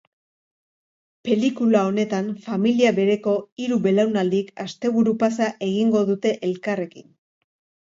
Pelikula honetan, familia bereko hiru belaunaldik asteburu-pasa egingo dute elkarrekin.